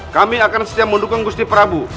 kami akan setia mendukung gusti prabu